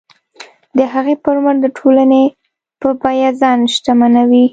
د هغې پر مټ د ټولنې په بیه ځان شتمنوي.